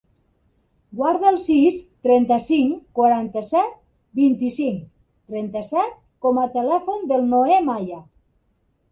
Guarda el sis, trenta-cinc, quaranta-set, vint-i-cinc, trenta-set com a telèfon del Noè Maya.